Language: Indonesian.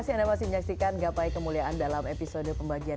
sampai jumpa di video berikutnya